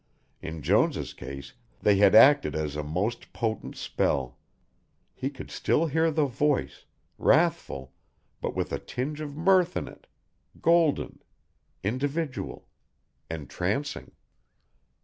In Jones' case they had acted as a most potent spell. He could still hear the voice, wrathful, but with a tinge of mirth in it, golden, individual, entrancing.